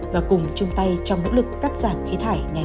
và cùng chung tay trong nỗ lực cắt giảm khí thải ngành nông nghiệp